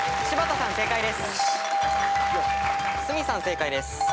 柴田さん正解です。